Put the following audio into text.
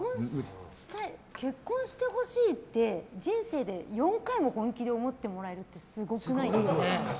結婚してほしいって人生で４回も本気で思ってもらえるってすごくないですか。